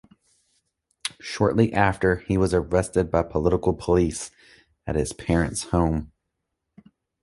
Shortly after, he was arrested by political police at his parents' home.